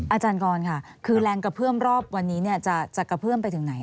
อาจารย์กรค่ะคือแรงกระเพื่อมรอบวันนี้จะกระเพื่อมไปถึงไหน